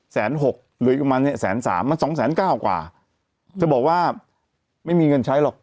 หกเหลืออีกประมาณเนี้ยแสนสามมันสองแสนเก้ากว่าเธอบอกว่าไม่มีเงินใช้หรอก